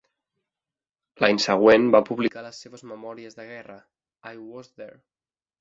L'any següent, va publicar les seves memòries de guerra, "I Was There".